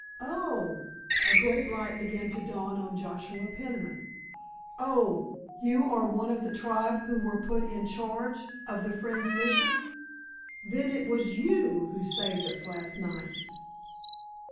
"Oh h!" A great light began to dawn on Joshua Peniman. "Oh, you are one of the tribe who were put in charge of the Friends' Mission?[#] Then it was you who saved us last night?"